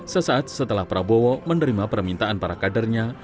sesaat setelah prabowo menerima permintaan para kadernya